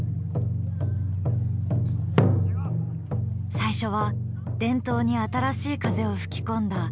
最初は伝統に新しい風を吹き込んだ蒼団。